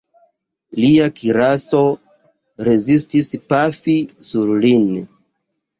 Lia kiraso rezistis pafi sur lin.